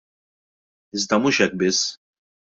Iżda mhux hekk biss.